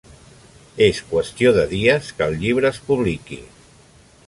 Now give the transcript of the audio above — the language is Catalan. És qüestió de dies que el llibre es publiqui.